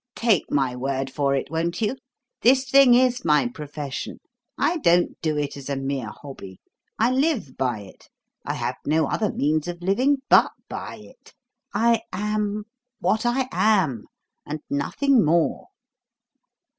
"Take my word for it, won't you? this thing is my profession. I don't do it as a mere hobby: I live by it I have no other means of living but by it. I am what I am, and nothing more."